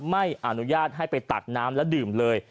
ไม่อนุญาตให้ไปตักน้ำและดื่มเลย